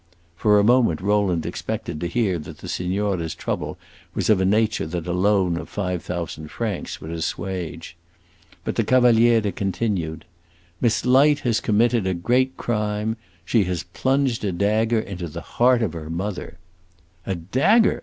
For a moment Rowland expected to hear that the signora's trouble was of a nature that a loan of five thousand francs would assuage. But the Cavaliere continued: "Miss Light has committed a great crime; she has plunged a dagger into the heart of her mother." "A dagger!"